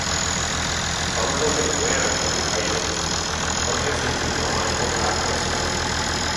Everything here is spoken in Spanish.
Paulo se fue al grupo Kairo, Jorge se inclinó más por la actuación.